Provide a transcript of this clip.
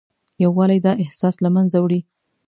یووالی دا احساس له منځه وړي.